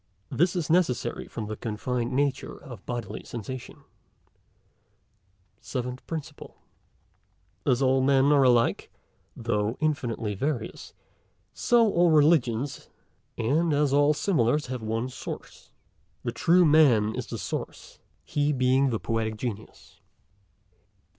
This is necessary from the confined nature of bodily sensation. PRINCIPLE SEVENTH. As all men are alike (though infinitely various), so all Religions, and as all similars, have one source. The true Man is the source, he being the Poetic Genius.